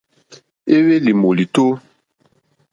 Éhwélì wòlìtó.